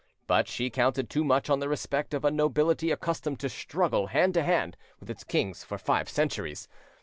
But she counted too much on the respect of a nobility accustomed to struggle hand to hand with its kings for five centuries.